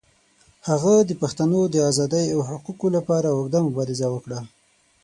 هغه د پښتنو د آزادۍ او حقوقو لپاره اوږده مبارزه وکړه.